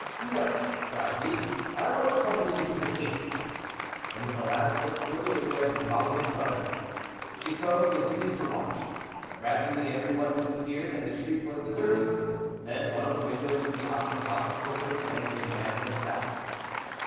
"No!" cried he. "I will accompany you to the gates," and with a last look toward the window, he followed his brother. Chicot continued to watch. Gradually every one disappeared, and the street was deserted. Then one of the windows of the opposite house was opened, and a man looked out.